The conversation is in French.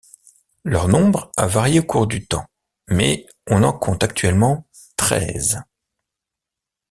Leur nombre a varié au cours du temps, mais on en compte actuellement treize.